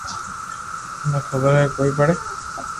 مني خبر ھي ڪوئي پڙي